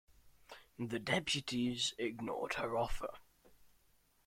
The deputies ignored her offer.